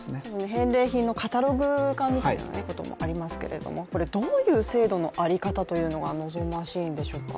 返礼品のカタログ化みたいなこともありますけどどういう制度の在り方というのが望ましいんでしょうか。